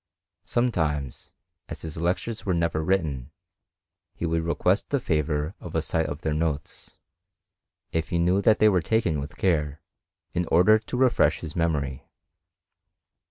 Sometimes (as his lectures were never written) he would request the favour of a sight of their notes, if he knew that they were taken with care, in order to refresh his memory.